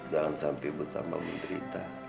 jangan sampai ibu tambah menderita